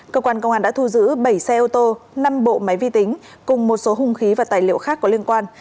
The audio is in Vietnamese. cơ quan công an đã thu giữ bảy xe ô tô năm bộ máy vi tính cùng một số hung khí và tài liệu khác có liên quan